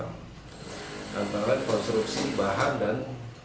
antara konstruksi bahan dan